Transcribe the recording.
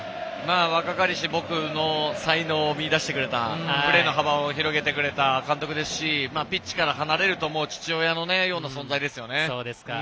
若かりし僕の才能を見いだしてくれたプレーの幅を広げてくれた監督ですしピッチから離れると父親のような存在でしたね。